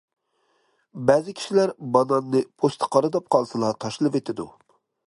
بەزى كىشىلەر باناننى پوستى قارىداپ قالسىلا تاشلىۋېتىدۇ.